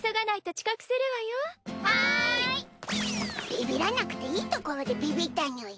ビビらなくていいところでビビったにゅい。